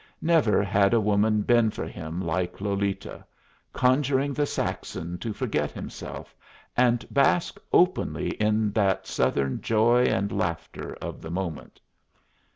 Never had a woman been for him like Lolita, conjuring the Saxon to forget himself and bask openly in that Southern joy and laughter of the moment.